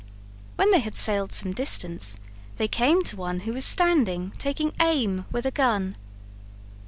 When they had sailed some distance they came to one who was standing taking aim with a gun.